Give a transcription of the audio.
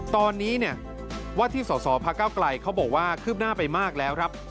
ตอนนี้เนี่ยว่าที่สสพระเก้าไกลเขาบอกว่าคืบหน้าไปมากแล้วครับ